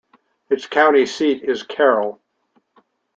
Its county seat is Carroll.